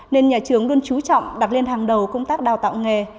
nên nhà trường luôn trú trọng đặt lên hàng đầu công tác đào tạo nghề